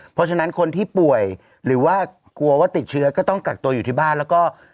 เพราะฉะนั้นคนที่ป่วยหรือว่ากลัวว่าติดเชื้อก็ต้องกักตัวอยู่ที่บ้านแล้วก็